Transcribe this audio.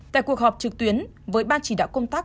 tại cuộc họp trực tuyến với ban chỉ đạo công tác